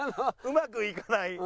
うまくいかない。